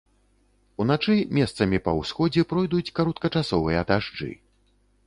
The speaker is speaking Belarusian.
Уначы месцамі па ўсходзе пройдуць кароткачасовыя дажджы.